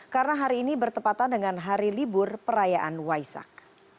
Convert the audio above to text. karena hari ini bertepatan dengan hari libur perayaan waisak